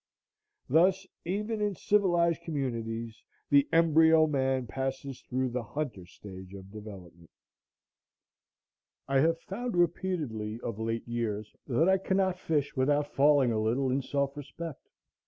Thus, even in civilized communities, the embryo man passes through the hunter stage of development. I have found repeatedly, of late years, that I cannot fish without falling a little in self respect.